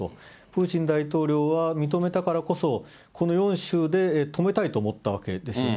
プーチン大統領は認めたからこそ、この４州で止めたいと思ったわけですよ。